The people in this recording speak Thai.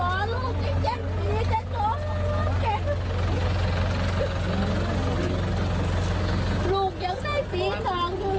ลูกยังได้สีทางดูเลยแกเร็บหรือเจ็บไป